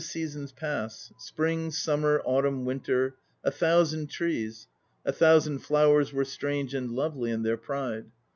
"I watched the seasons pass: Spring, summer, autumn, winter; a thousand trees, , A thousand flowers were strange and lovely in their pride.